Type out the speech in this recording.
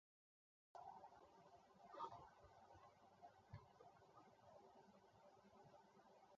The museum is currently owned by the Kiowa Tribe of Oklahoma.